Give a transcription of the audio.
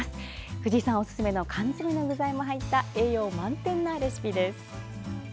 藤井さんおすすめの缶詰の具材も入った、栄養満点なレシピです。